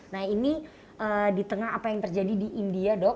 nah ini di tengah apa yang terjadi di india dok